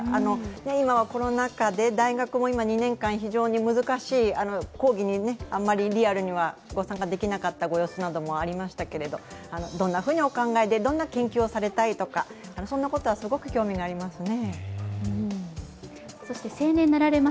今はコロナ禍で大学も２年間非常に難しい、講義にリアルにはご参加できなかったご様子もありましたけれども、どんなふうにお考えで、どんな研究をされたいとか、そんなことはすごく興味がありますね。